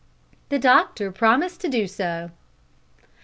The doctor promised to do so.